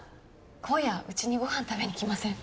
今夜うちにご飯食べに来ません？